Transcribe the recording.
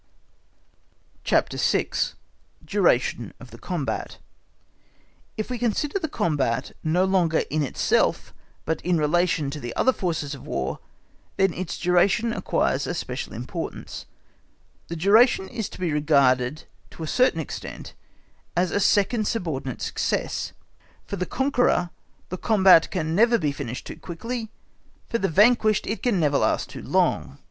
_ CHAPTER VI. Duration of Combat If we consider the combat no longer in itself but in relation to the other forces of War, then its duration acquires a special importance. This duration is to be regarded to a certain extent as a second subordinate success. For the conqueror the combat can never be finished too quickly, for the vanquished it can never last too long.